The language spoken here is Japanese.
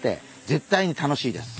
絶対に楽しいです。